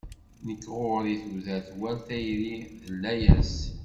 Nekk ɣur-i tudert war tayri d layas.